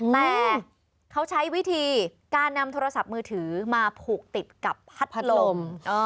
แต่เขาใช้วิธีการนำโทรศัพท์มือถือมาผูกติดกับพัดลม